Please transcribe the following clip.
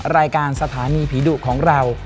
รายการสถานีผีดุของเรา